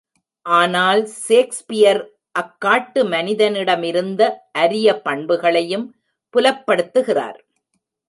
ஆனால் சேக்ஸ்பியர் அக் காட்டு மனிதனிடமிருந்த அரிய பண்புகளையும் புலப்படுத்துகிறார்.